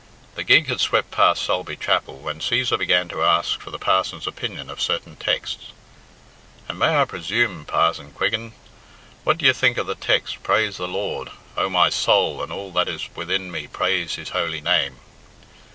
The gig had swept past Sulby Chapel when Cæsar began to ask for the parson's opinion of certain texts. "And may I presume, Pazon Quiggin, what d'ye think of the text 'Praise the Lord. O my soul, and all that is within me praise His Holy Name?'"